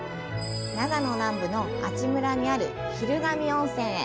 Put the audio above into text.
長野南部の阿智村にある昼神温泉へ。